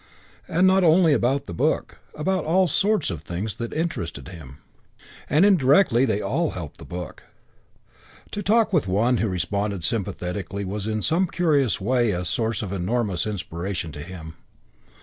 And not only about the book, about all sorts of things that interested him. And indirectly they all helped the book. To talk with one who responded sympathetically was in some curious way a source of enormous inspiration to him.